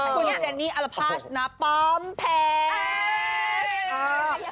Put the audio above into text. คุณเจนนี่อลภาชณปอมแพทย์